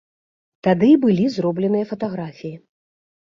Тады і былі зробленыя фатаграфіі.